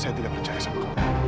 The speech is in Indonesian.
saya tidak percaya sama